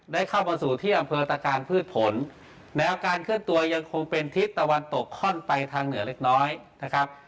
ได้เข้ามาสู่ที่อำเภอตะการพืชผลแนวการเคลื่อนตัวยังคงเป็นทิศตะวันตกค่อนไปทางเหนือเล็กน้อยนะครับ